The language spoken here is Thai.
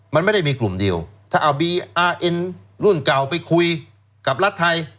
มันไม่ได้มีกลุ่มเดียวถ้าเอาบีอาร์เอ็นรุ่นเก่าไปคุยกับรัฐไทย